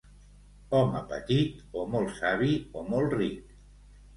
Home petit, o molt savi o molt ric.